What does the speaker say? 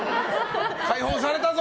解放されたぞ！